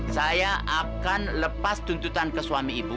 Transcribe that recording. saya akan lepas tuntutan ke suami ibu